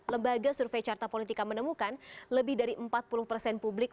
lembaga survei carta politika menemukan lebih dari empat puluh persen publik